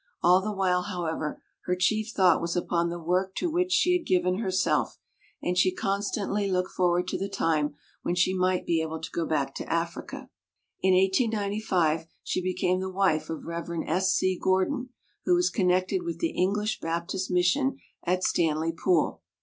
All the while, however, her chief thought was upon the work to which she had given herself, and she con stantly looked forward to the time when she might be able to go back to Africa. In 1895 she became the wife of Rev. S. C. Gordon, who was connected with the English Bap tist Mission at Stanley Pool.